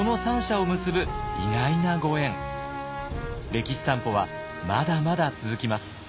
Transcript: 歴史散歩はまだまだ続きます。